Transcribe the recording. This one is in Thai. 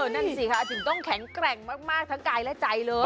นั่นสิค่ะถึงต้องแข็งแกร่งมากทั้งกายและใจเลย